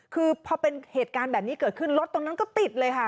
คือพอเป็นเหตุการณ์แบบนี้เกิดขึ้นรถตรงนั้นก็ติดเลยค่ะ